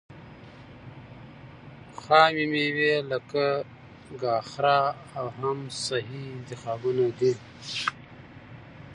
خامې مېوې لکه ګاځره او حمص صحي انتخابونه دي.